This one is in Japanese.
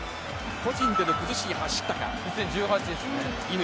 個人での崩しに走ったか乾。